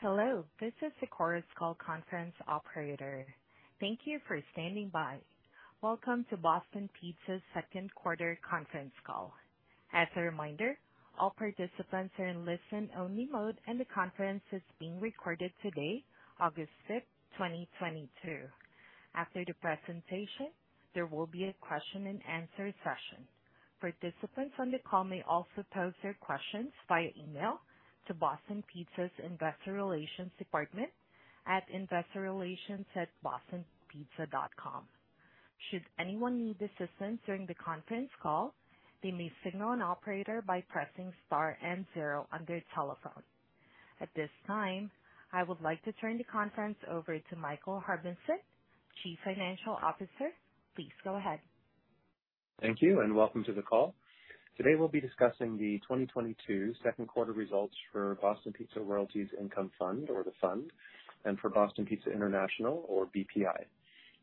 Hello, this is the Chorus Call Conference Operator. Thank you for standing by. Welcome to Boston Pizza's second quarter conference call. As a reminder, all participants are in listen only mode, and the conference is being recorded today, August 5, 2022. After the presentation, there will be a question and answer session. Participants on the call may also pose their questions via email to Boston Pizza's investor relations department at investorrelations@bostonpizza.com. Should anyone need assistance during the conference call, they may signal an operator by pressing star and zero on their telephone. At this time, I would like to turn the conference over to Michael Harbinson, Chief Financial Officer. Please go ahead. Thank you, and welcome to the call. Today we'll be discussing the 2022 second quarter results for Boston Pizza Royalties Income Fund, or the Fund, and for Boston Pizza International, or BPI.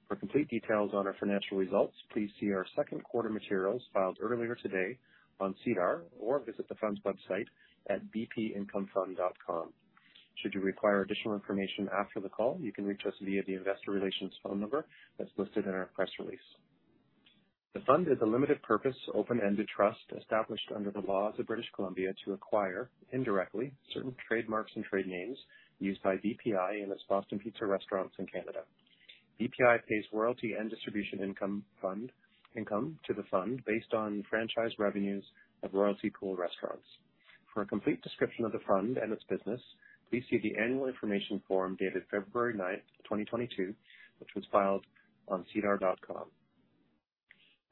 For complete details on our financial results, please see our second quarter materials filed earlier today on SEDAR or visit the Fund's website at bpincomefund.com. Should you require additional information after the call, you can reach us via the investor relations phone number that's listed in our press release. The Fund is a limited purpose, open-ended trust established under the laws of British Columbia to acquire, indirectly, certain trademarks and trade names used by BPI in its Boston Pizza restaurants in Canada. BPI pays royalty and distribution income to the Fund based on franchise revenues of royalty pool restaurants. For a complete description of the Fund and its business, please see the annual information form dated February ninth, 2022, which was filed on sedar.com.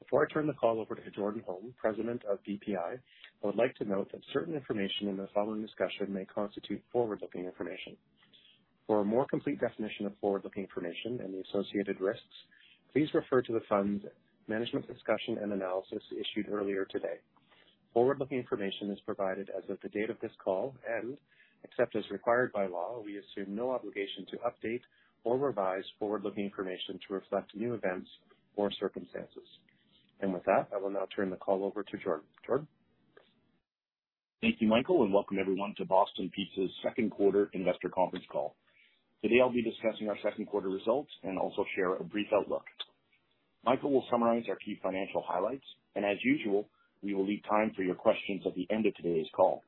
Before I turn the call over to Jordan Holm, President of BPI, I would like to note that certain information in the following discussion may constitute forward-looking information. For a more complete definition of forward-looking information and the associated risks, please refer to the Fund's management discussion and analysis issued earlier today. Forward-looking information is provided as of the date of this call, and except as required by law, we assume no obligation to update or revise forward-looking information to reflect new events or circumstances. With that, I will now turn the call over to Jordan. Jordan? Thank you, Michael, and welcome everyone to Boston Pizza's second quarter investor conference call. Today I'll be discussing our second quarter results and also share a brief outlook. Michael will summarize our key financial highlights, and as usual, we will leave time for your questions at the end of today's call.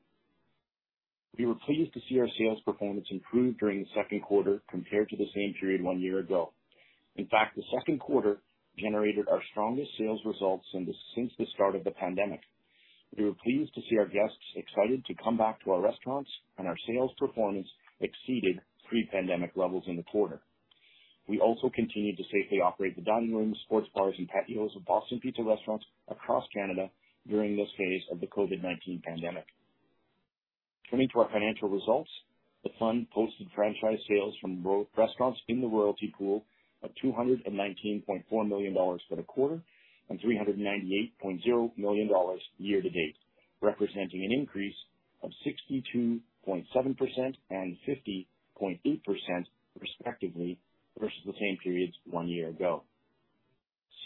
We were pleased to see our sales performance improve during the second quarter compared to the same period one year ago. In fact, the second quarter generated our strongest sales results since the start of the pandemic. We were pleased to see our guests excited to come back to our restaurants, and our sales performance exceeded pre-pandemic levels in the quarter. We also continued to safely operate the dining rooms, sports bars, and patios of Boston Pizza restaurants across Canada during this phase of the COVID-19 pandemic. Turning to our financial results, the Fund posted Franchise Sales from restaurants in the royalty pool of 219.4 million dollars for the quarter and 398.0 million dollars year to date, representing an increase of 62.7% and 50.8%, respectively, versus the same periods one year ago.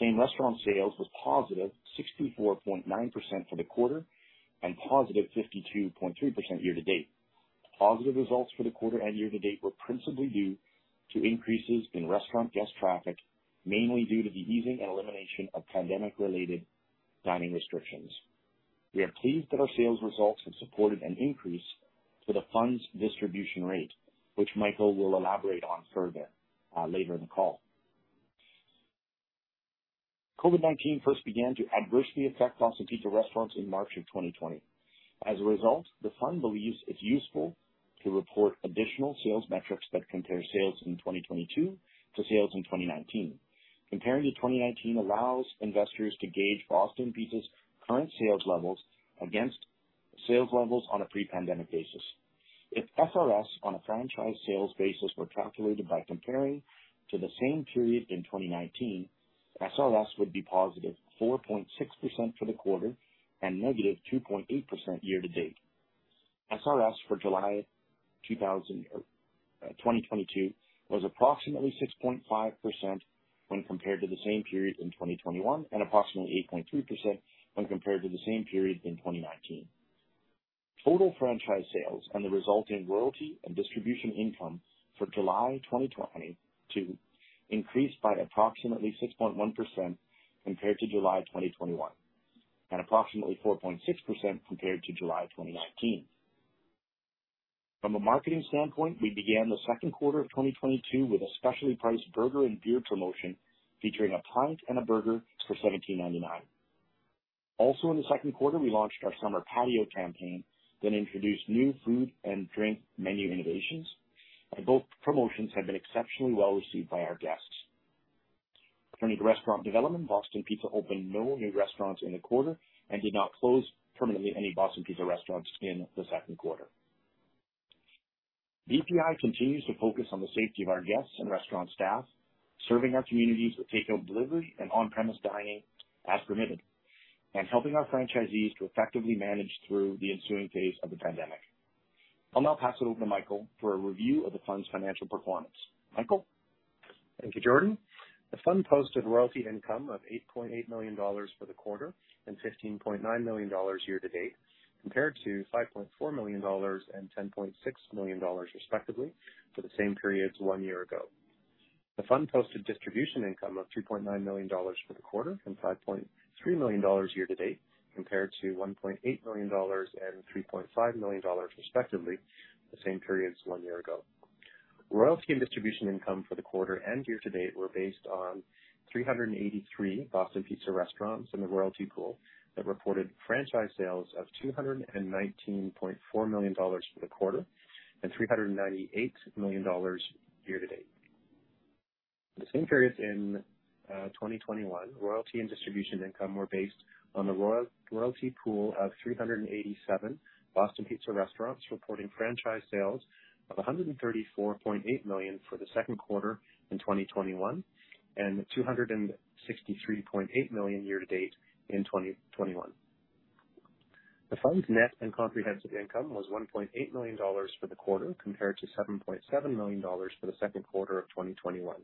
Same-Restaurant Sales was +64.9% for the quarter and +52.3% year to date. Positive results for the quarter and year to date were principally due to increases in restaurant guest traffic, mainly due to the easing and elimination of pandemic-related dining restrictions. We are pleased that our sales results have supported an increase to the Fund's distribution rate, which Michael will elaborate on further, later in the call. COVID-19 first began to adversely affect Boston Pizza restaurants in March 2020. As a result, the Fund believes it's useful to report additional sales metrics that compare sales in 2022 to sales in 2019. Comparing to 2019 allows investors to gauge Boston Pizza's current sales levels against sales levels on a pre-pandemic basis. If SRS on a franchise sales basis were calculated by comparing to the same period in 2019, SRS would be +4.6% for the quarter and -2.8% year to date. SRS for July 2022 was approximately 6.5% when compared to the same period in 2021, and approximately 8.3% when compared to the same period in 2019. Total Franchise Sales and the resulting royalty and distribution income for July 2022 increased by approximately 6.1% compared to July 2021, and approximately 4.6% compared to July 2019. From a marketing standpoint, we began the second quarter of 2022 with a specially priced burger and beer promotion featuring a pint and a burger for CAD 17.99. Also in the second quarter, we launched our summer patio campaign, then introduced new food and drink menu innovations, and both promotions have been exceptionally well received by our guests. Turning to restaurant development, Boston Pizza opened no new restaurants in the quarter and did not close permanently any Boston Pizza restaurants in the second quarter. BPI continues to focus on the safety of our guests and restaurant staff, serving our communities with takeout and delivery and on-premise dining as permitted, and helping our franchisees to effectively manage through the ensuing phase of the pandemic. I'll now pass it over to Michael for a review of the Fund's financial performance. Michael? Thank you, Jordan. The fund posted royalty income of 8.8 million dollars for the quarter and 15.9 million dollars year to date, compared to 5.4 million dollars and 10.6 million dollars, respectively, for the same periods one year ago. The fund posted distribution income of 2.9 million dollars for the quarter and 5.3 million dollars year to date, compared to 1.8 million dollars and 3.5 million dollars, respectively, the same periods one year ago. Royalty and distribution income for the quarter and year to date were based on 383 Boston Pizza restaurants in the royalty pool that reported franchise sales of 219.4 million dollars for the quarter and 398 million dollars year to date. For the same periods in 2021, royalty and distribution income were based on the royalty pool of 387 Boston Pizza restaurants, reporting Franchise Sales of 134.8 million for the second quarter in 2021 and 263.8 million year to date in 2021. The fund's net and comprehensive income was 1.8 million dollars for the quarter compared to 7.7 million dollars for the second quarter of 2021.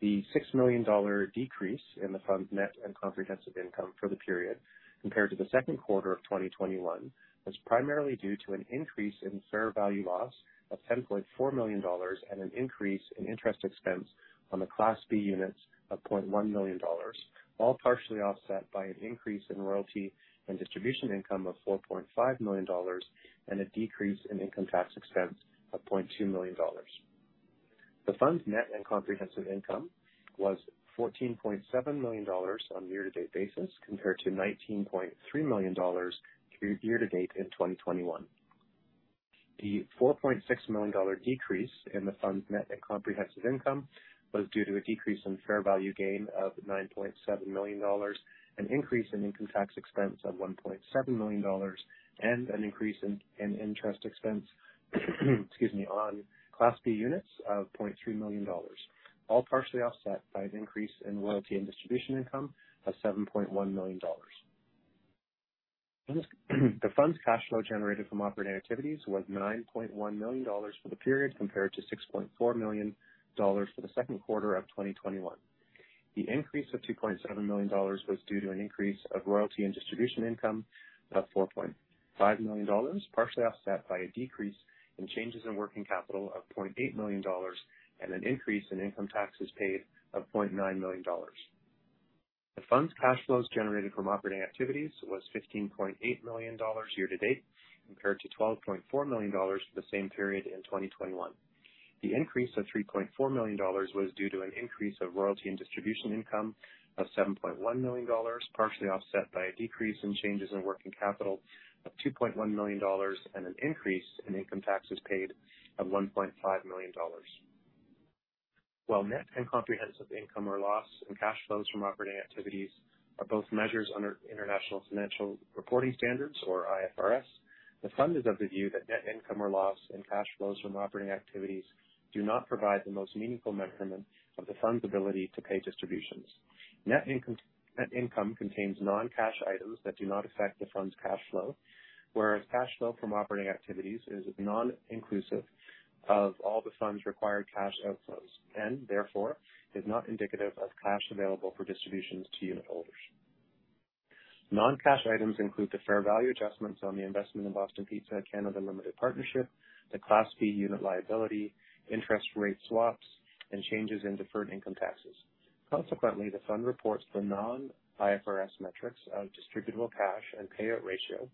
The 6 million dollar decrease in the fund's net and comprehensive income for the period, compared to the second quarter of 2021, was primarily due to an increase in fair value loss of 10.4 million dollars and an increase in interest expense on the Class B units of 0.1 million dollars, all partially offset by an increase in royalty and distribution income of 4.5 million dollars and a decrease in income tax expense of 0.2 million dollars. The fund's net and comprehensive income was 14.7 million dollars on a year-to-date basis, compared to 19.3 million dollars through year-to-date in 2021. The 4.6 million dollar decrease in the fund's net and comprehensive income was due to a decrease in fair value gain of 9.7 million dollars, an increase in income tax expense of 1.7 million dollars, and an increase in interest expense, excuse me, on Class B units of 0.3 million dollars, all partially offset by an increase in royalty and distribution income of 7.1 million dollars. In this, the fund's cash flow generated from operating activities was 9.1 million dollars for the period, compared to 6.4 million dollars for the second quarter of 2021. The increase of 2.7 million dollars was due to an increase of royalty and distribution income of 4.5 million dollars, partially offset by a decrease in changes in working capital of 0.8 million dollars and an increase in income taxes paid of 0.9 million dollars. The fund's cash flows generated from operating activities was 15.8 million dollars year to date, compared to 12.4 million dollars for the same period in 2021. The increase of 3.4 million dollars was due to an increase of royalty and distribution income of 7.1 million dollars, partially offset by a decrease in changes in working capital of 2.1 million dollars and an increase in income taxes paid of 1.5 million dollars. While net and comprehensive income or loss and cash flows from operating activities are both measures under International Financial Reporting Standards, or IFRS, the fund is of the view that net income or loss and cash flows from operating activities do not provide the most meaningful measurement of the fund's ability to pay distributions. Net income contains non-cash items that do not affect the fund's cash flow, whereas cash flow from operating activities is non-inclusive of all the fund's required cash outflows and therefore is not indicative of cash available for distributions to unitholders. Non-cash items include the fair value adjustments on the investment in Boston Pizza Canada Limited Partnership, the Class B unit liability, interest rate swaps, and changes in deferred income taxes. Consequently, the fund reports the non-IFRS metrics of distributable cash and payout ratio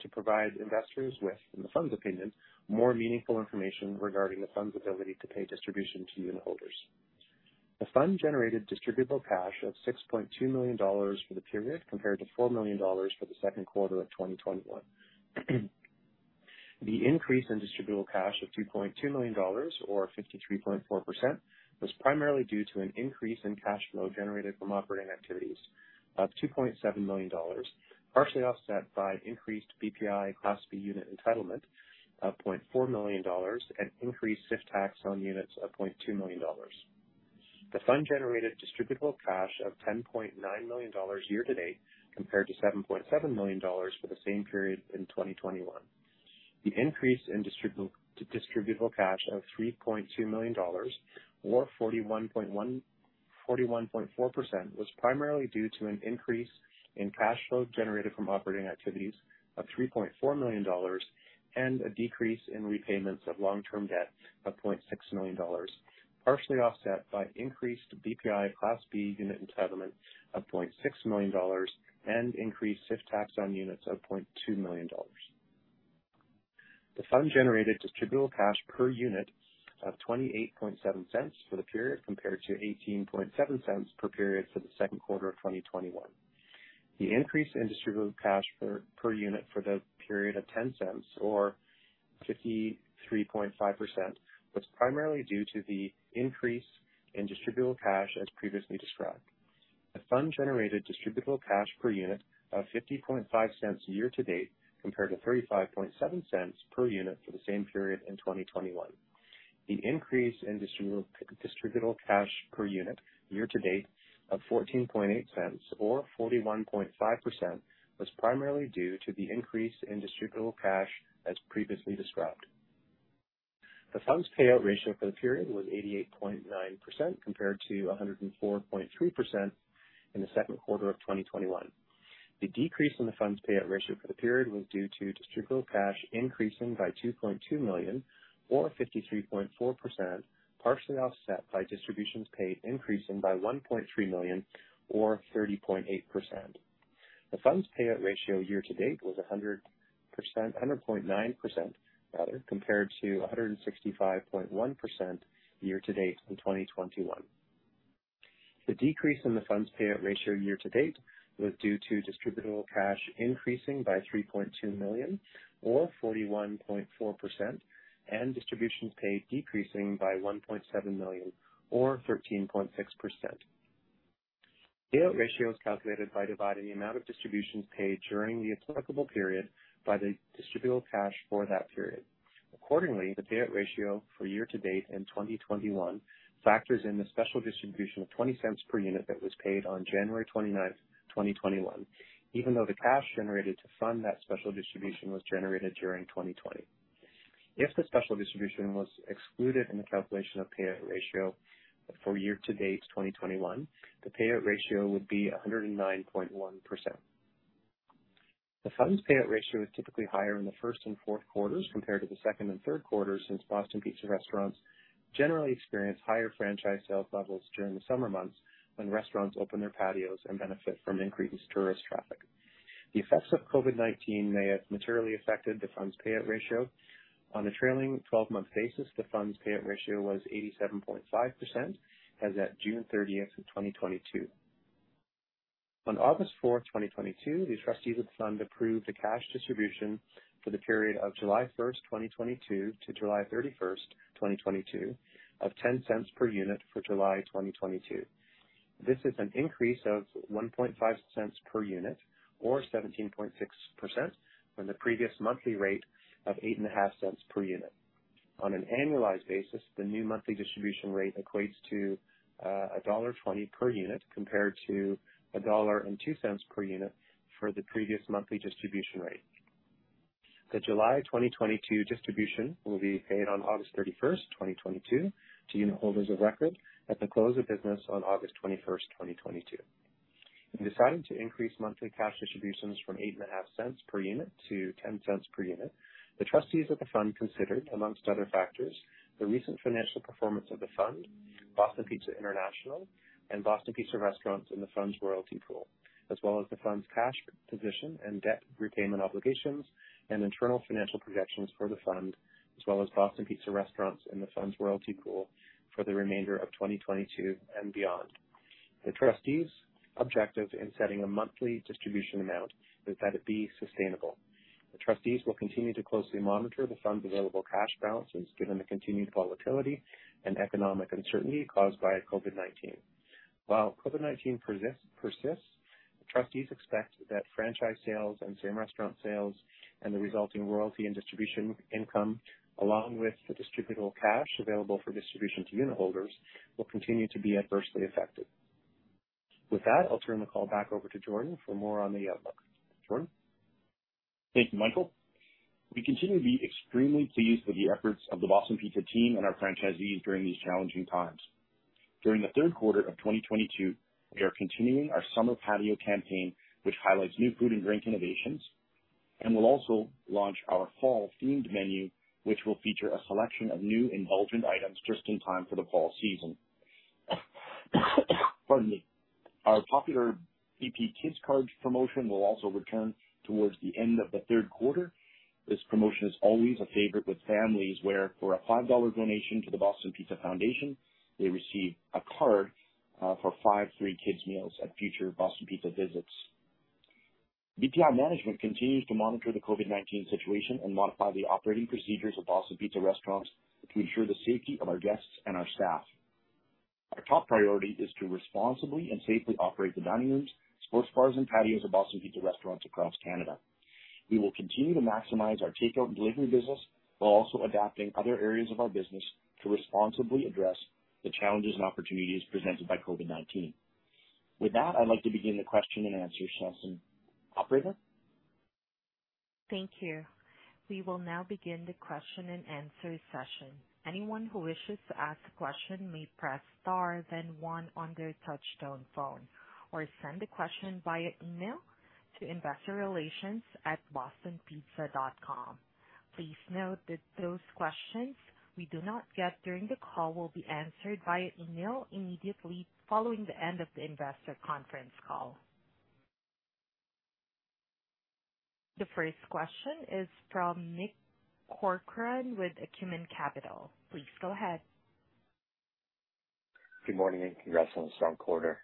to provide investors with, in the fund's opinion, more meaningful information regarding the fund's ability to pay distribution to unitholders. The fund generated distributable cash of 6.2 million dollars for the period, compared to 4 million dollars for the second quarter of 2021. The increase in distributable cash of 2.2 million dollars or 53.4% was primarily due to an increase in cash flow generated from operating activities of 2.7 million dollars, partially offset by increased BPI Class B unit entitlement of 0.4 million dollars and increased SIFT tax on units of 0.2 million dollars. The fund generated distributable cash of 10.9 million dollars year to date, compared to 7.7 million dollars for the same period in 2021. The increase in distributable cash of 3.2 million dollars or 41.4% was primarily due to an increase in cash flow generated from operating activities of 3.4 million dollars and a decrease in repayments of long-term debt of 0.6 million dollars, partially offset by increased BPI Class B unit entitlement of 0.6 million dollars and increased SIFT tax on units of 0.2 million dollars. The fund generated distributable cash per unit of 0.287 for the period, compared to 0.187 per period for the second quarter of 2021. The increase in distributable cash per unit for the period of 0.10 or 53.5% was primarily due to the increase in distributable cash as previously described. The fund generated Distributable Cash per unit of 0.505 year to date, compared to 0.357 per unit for the same period in 2021. The increase in Distributable Cash per unit year to date of 0.148 or 41.5% was primarily due to the increase in Distributable Cash as previously described. The fund's Payout Ratio for the period was 88.9% compared to 104.3% in the second quarter of 2021. The decrease in the fund's Payout Ratio for the period was due to Distributable Cash increasing by 2.2 million or 53.4%, partially offset by distributions paid increasing by 1.3 million or 30.8%. The fund's payout ratio year-to-date was 100%, 100.9%, rather, compared to 165.1% year-to-date in 2021. The decrease in the fund's payout ratio year-to-date was due to Distributable Cash increasing by 3.2 million or 41.4%, and distributions paid decreasing by 1.7 million or 13.6%. Payout Ratio is calculated by dividing the amount of distributions paid during the applicable period by the Distributable Cash for that period. Accordingly, the Payout Ratio for year-to-date in 2021 factors in the special distribution of 0.20 per unit that was paid on January 29th, 2021, even though the cash generated to fund that special distribution was generated during 2020. If the special distribution was excluded in the calculation of payout ratio for year-to-date 2021, the payout ratio would be 109.1%. The fund's payout ratio is typically higher in the first and fourth quarters compared to the second and third quarters, since Boston Pizza restaurants generally experience higher franchise sales levels during the summer months when restaurants open their patios and benefit from increased tourist traffic. The effects of COVID-19 may have materially affected the fund's payout ratio. On a trailing twelve-month basis, the fund's payout ratio was 87.5% as at June 30, 2022. On August 4, 2022, the trustees of the fund approved a cash distribution for the period of July 1, 2022 to July 31, 2022 of 0.10 per unit for July 2022. This is an increase of 0.015 per unit or 17.6% from the previous monthly rate of 0.085 per unit. On an annualized basis, the new monthly distribution rate equates to dollar 1.20 per unit compared to 1.02 dollar per unit for the previous monthly distribution rate. The July 2022 distribution will be paid on August 31st, 2022 to unitholders of record at the close of business on August 21st, 2022. In deciding to increase monthly cash distributions from 0.085 per unit to 0.10 per unit, the trustees of the fund considered, among other factors, the recent financial performance of the fund, Boston Pizza International and Boston Pizza Restaurants in the fund's royalty pool, as well as the fund's cash position and debt repayment obligations and internal financial projections for the fund, as well as Boston Pizza Restaurants and the fund's royalty pool for the remainder of 2022 and beyond. The trustees' objective in setting a monthly distribution amount is that it be sustainable. The trustees will continue to closely monitor the fund's available cash balances given the continued volatility and economic uncertainty caused by COVID-19. While COVID-19 persists, the trustees expect that Franchise Sales and Same-Restaurant Sales and the resulting royalty and distribution income, along with the Distributable Cash available for distribution to unitholders, will continue to be adversely affected. With that, I'll turn the call back over to Jordan for more on the outlook. Jordan? Thank you, Michael. We continue to be extremely pleased with the efforts of the Boston Pizza team and our franchisees during these challenging times. During the third quarter of 2022, we are continuing our summer patio campaign, which highlights new food and drink innovations, and we'll also launch our fall-themed menu, which will feature a selection of new indulgent items just in time for the fall season. Pardon me. Our popular BP Kids Card promotion will also return towards the end of the third quarter. This promotion is always a favorite with families, where for a 5 dollar donation to the Boston Pizza Foundation, they receive a card for five free kids meals at future Boston Pizza visits. BPI management continues to monitor the COVID-19 situation and modify the operating procedures of Boston Pizza restaurants to ensure the safety of our guests and our staff. Our top priority is to responsibly and safely operate the dining rooms, sports bars, and patios of Boston Pizza restaurants across Canada. We will continue to maximize our takeout and delivery business while also adapting other areas of our business to responsibly address the challenges and opportunities presented by COVID-19. With that, I'd like to begin the question and answer session. Operator? Thank you. We will now begin the question and answer session. Anyone who wishes to ask a question may press star then one on their touch-tone phone, or send a question via email to investorrelations@bostonpizza.com. Please note that those questions we do not get during the call will be answered via email immediately following the end of the investor conference call. The first question is from Nick Corcoran with Acumen Capital. Please go ahead. Good morning, and congrats on a strong quarter.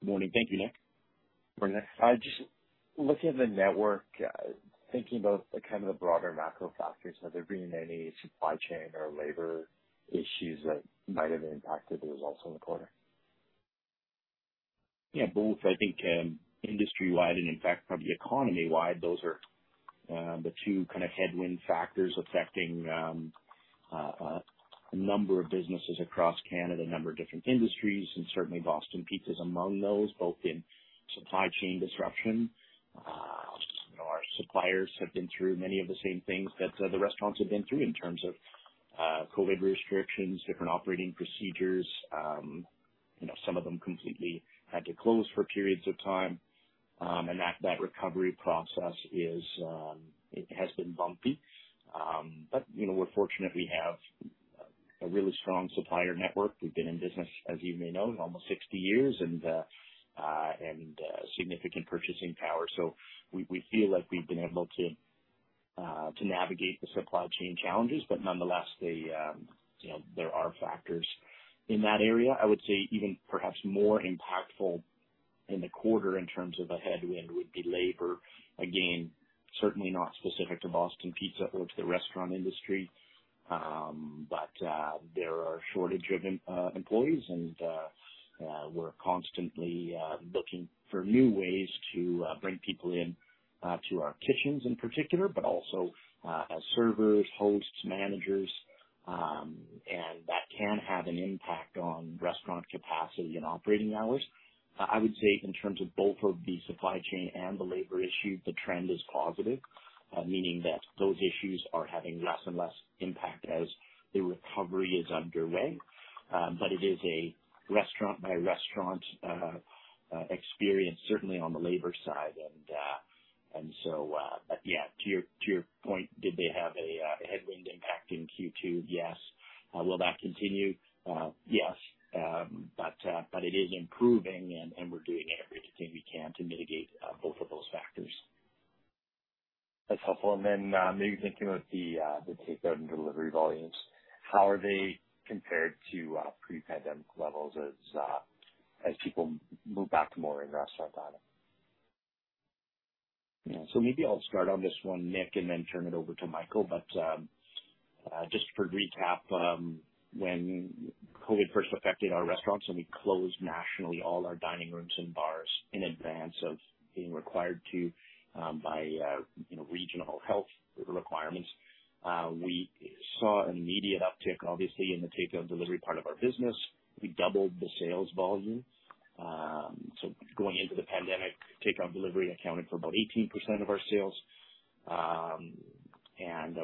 Good morning. Thank you, Nick. Morning, Nick. Just looking at the network, thinking about kind of the broader macro factors, have there been any supply chain or labor issues that might have impacted the results in the quarter? Yeah, both, I think, industry-wide and in fact, probably economy-wide, those are the two kind of headwind factors affecting a number of businesses across Canada, a number of different industries, and certainly Boston Pizza is among those, both in supply chain disruption. You know, our suppliers have been through many of the same things that the restaurants have been through in terms of COVID restrictions, different operating procedures. You know, some of them completely had to close for periods of time. And that recovery process is, it has been bumpy. But you know, we're fortunate we have a really strong supplier network. We've been in business, as you may know, almost 60 years and significant purchasing power. We feel like we've been able to navigate the supply chain challenges, but nonetheless, they, you know, there are factors in that area. I would say even perhaps more impactful in the quarter in terms of a headwind would be labor. Again, certainly not specific to Boston Pizza or to the restaurant industry. There is a shortage of employees and we're constantly looking for new ways to bring people in to our kitchens in particular, but also as servers, hosts, managers, and that can have an impact on restaurant capacity and operating hours. I would say in terms of both of the supply chain and the labor issue, the trend is positive, meaning that those issues are having less and less impact as the recovery is underway. It is a restaurant by restaurant experience, certainly on the labor side. Yeah, to your point, did they have a headwind impact in Q2? Yes. Will that continue? Yes. It is improving and we're doing everything we can to mitigate both of those factors. That's helpful. Maybe thinking about the takeout and delivery volumes, how are they compared to pre-pandemic levels as people move back to more in-restaurant dining? Yeah. Maybe I'll start on this one, Nick, and then turn it over to Michael. Just for recap, when COVID first affected our restaurants and we closed nationally all our dining rooms and bars in advance of being required to, by you know, regional health requirements, we saw an immediate uptick, obviously, in the takeout and delivery part of our business. We doubled the sales volume. Going into the pandemic, takeout and delivery accounted for about 18% of our sales.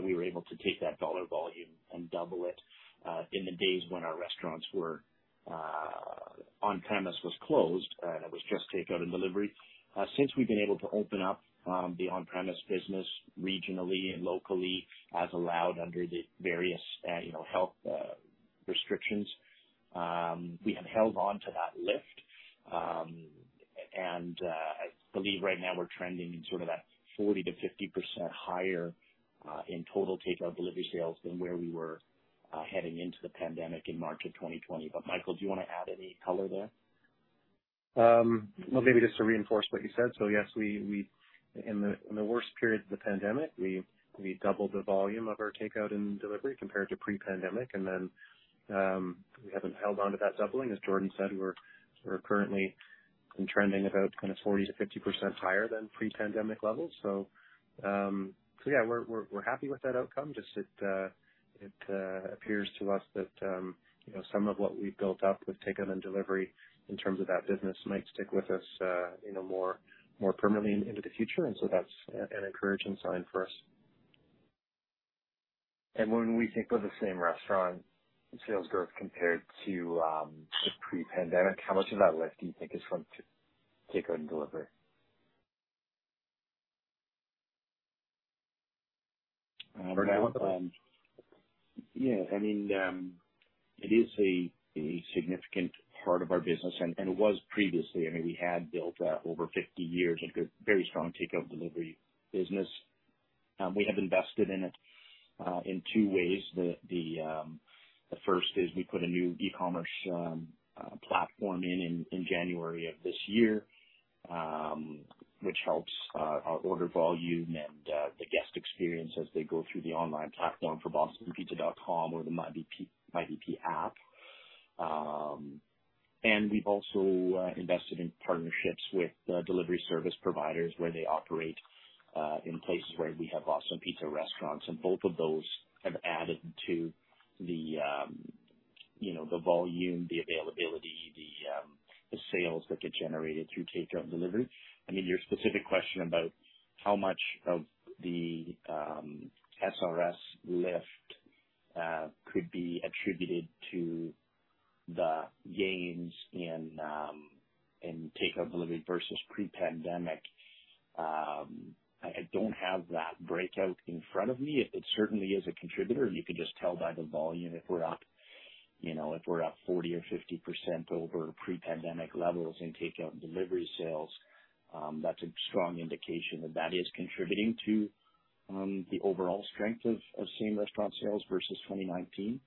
We were able to take that dollar volume and double it, in the days when our restaurants were on-premises was closed, and it was just takeout and delivery. Since we've been able to open up the on-premise business regionally and locally as allowed under the various, you know, health restrictions, we have held on to that lift. I believe right now we're trending in sort of that 40%-50% higher in total takeout delivery sales than where we were heading into the pandemic in March of 2020. Michael, do you wanna add any color there? Well, maybe just to reinforce what you said. Yes, in the worst period of the pandemic, we doubled the volume of our takeout and delivery compared to pre-pandemic. Then, we haven't held on to that doubling. As Jordan said, we're currently trending about kind of 40%-50% higher than pre-pandemic levels. Yeah, we're happy with that outcome. It appears to us that, you know, some of what we've built up with takeout and delivery in terms of that business might stick with us, you know, more permanently into the future. That's an encouraging sign for us. When we think of the same restaurant sales growth compared to just pre-pandemic, how much of that lift do you think is from takeout and delivery? Yeah, I mean, it is a significant part of our business and it was previously. I mean, we had built over 50 years a good, very strong takeout and delivery business. We have invested in it in two ways. The first is we put a new e-commerce platform in January of this year, which helps our order volume and the guest experience as they go through the online platform for bostonpizza.com or the MyBP app. We've also invested in partnerships with the delivery service providers where they operate in places where we have Boston Pizza restaurants, and both of those have added to the, you know, the volume, the availability, the sales that get generated through takeout and delivery. I mean, your specific question about how much of the SRS lift could be attributed to the gains in takeout and delivery versus pre-pandemic, I don't have that breakout in front of me. It certainly is a contributor. You can just tell by the volume if we're up, you know, if we're up 40% or 50% over pre-pandemic levels in takeout and delivery sales, that's a strong indication that that is contributing to the overall strength of same-restaurant sales versus 2019.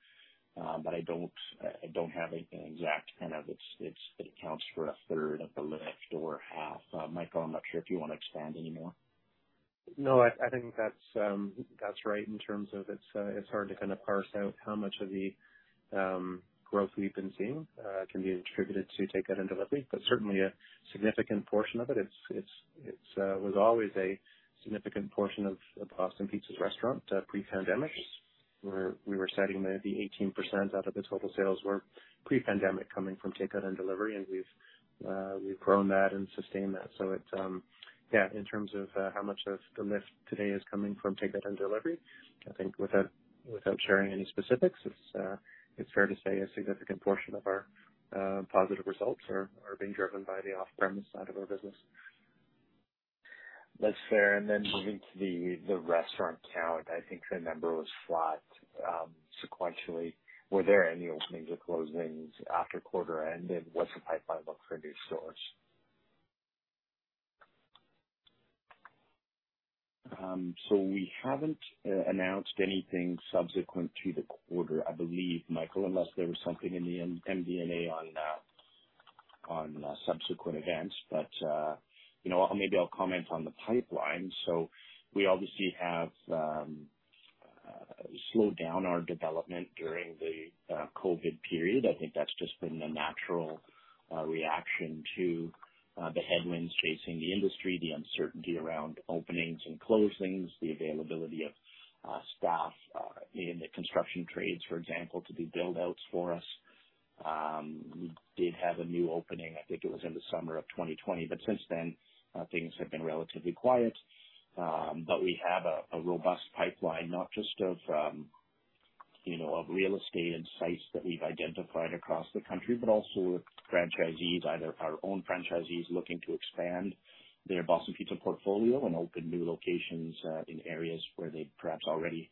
I don't have an exact kind of it accounts for a third of the lift or half. Michael, I'm not sure if you wanna expand any more. No, I think that's right in terms of it's hard to kinda parse out how much of the growth we've been seeing can be attributed to takeout and delivery, but certainly a significant portion of it. It was always a significant portion of Boston Pizza's restaurant pre-pandemic, where we were citing that the 18% out of the total sales were, pre-pandemic, coming from takeout and delivery, and we've grown that and sustained that. Yeah, in terms of how much of the lift today is coming from takeout and delivery, I think without sharing any specifics, it's fair to say a significant portion of our positive results are being driven by the off-premise side of our business. That's fair. Moving to the restaurant count, I think the number was flat sequentially. Were there any openings or closings after quarter end, and what's the pipeline look for new stores? We haven't announced anything subsequent to the quarter, I believe, Michael, unless there was something in the MD&A on subsequent events. You know, maybe I'll comment on the pipeline. We obviously have slowed down our development during the COVID period. I think that's just been the natural reaction to the headwinds facing the industry, the uncertainty around openings and closings, the availability of staff in the construction trades, for example, to do build-outs for us. We did have a new opening, I think it was in the summer of 2020, but since then, things have been relatively quiet. We have a robust pipeline, not just of, you know, of real estate and sites that we've identified across the country, but also with franchisees, either our own franchisees looking to expand their Boston Pizza portfolio and open new locations in areas where they perhaps already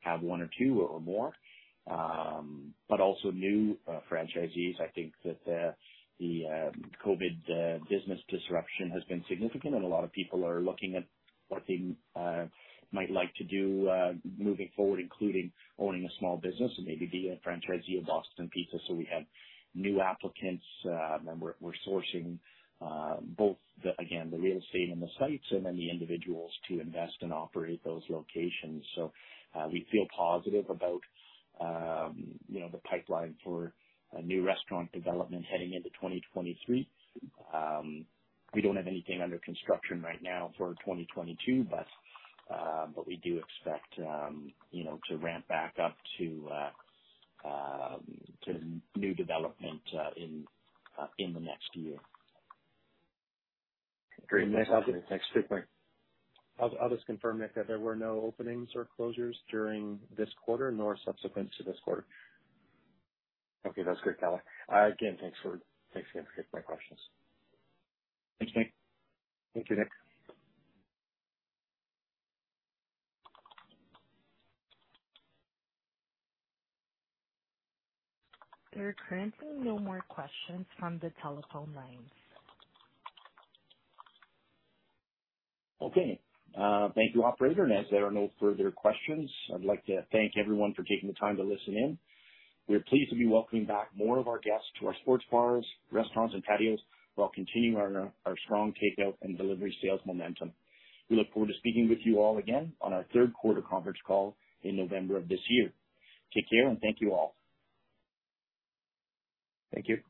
have one or two or more, but also new franchisees. I think that the COVID business disruption has been significant, and a lot of people are looking at what they might like to do moving forward, including owning a small business and maybe be a franchisee of Boston Pizza. We have new applicants, and we're sourcing both, again, the real estate and the sites and then the individuals to invest and operate those locations. We feel positive about, you know, the pipeline for new restaurant development heading into 2023. We don't have anything under construction right now for 2022, but we do expect, you know, to ramp back up to new development in the next year. Great. Thanks. I'll just confirm, Nick, that there were no openings or closures during this quarter, nor subsequent to this quarter. Okay, that's great, color. Again, thanks again for taking my questions. Thanks, Nick. Thank you, Nick. There are currently no more questions from the telephone lines. Okay. Thank you, operator. As there are no further questions, I'd like to thank everyone for taking the time to listen in. We are pleased to be welcoming back more of our guests to our sports bars, restaurants and patios while continuing our strong takeout and delivery sales momentum. We look forward to speaking with you all again on our third quarter conference call in November of this year. Take care, and thank you all. Thank you.